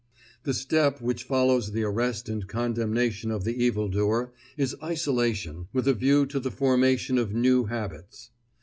The step which follows the arrest and condemnation of the evildoer is isolation, with a view to the formation of new habits.